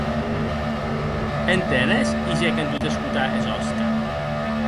Entenes?, higec en tot escotar es òsca.